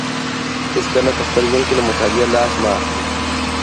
هېڅکله په خپل ژوند کي له مطالعې لاس مه اخلئ.